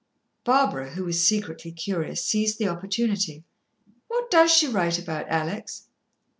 Barbara, who was secretly curious, seized the opportunity. "What does she write about, Alex?"